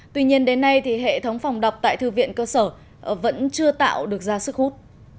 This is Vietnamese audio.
tuy nhiên đến nay thì hệ thống phòng đọc tại thư viện cơ sở vẫn chưa tạo được ra sức hút